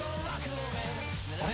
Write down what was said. あれ？